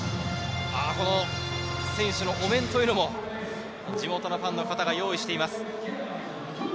選手のお面も地元のファンの方が用意しています。